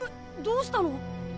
どうしたの？